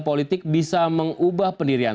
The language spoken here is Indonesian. politik bisa mengubah pendirian